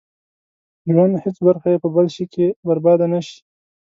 ژوند هېڅ برخه يې په بل شي کې برباده نه شي.